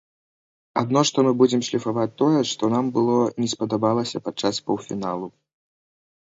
Адно што мы будзем шліфаваць тое, што нам было не спадабалася падчас паўфіналу.